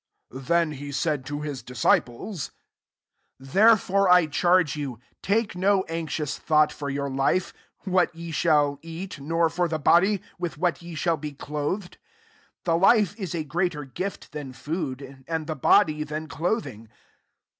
*' 22 Then he said to his disci ples, " Therefore I charge you, Take no anxious thought for \youT'\ life, what ye shall eat : nor for the body, with what ye shall be clothed. 25 The life is a greater gift than food; and the body, than clothing.